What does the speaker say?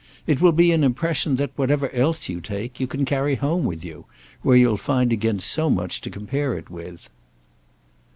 It will be an impression that—whatever else you take—you can carry home with you, where you'll find again so much to compare it with."